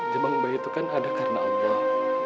jemang bayi itu kan ada karena allah